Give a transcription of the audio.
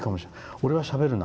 俺はしゃべるな？